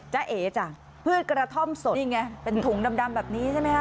เอ๋จ้ะพืชกระท่อมสดนี่ไงเป็นถุงดำแบบนี้ใช่ไหมคะ